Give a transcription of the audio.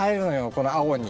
この青に。